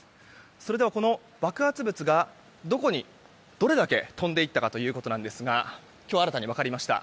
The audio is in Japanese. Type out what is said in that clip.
それでは、爆発物がどこに、どれだけ飛んで行ったかですが今日新たに分かりました。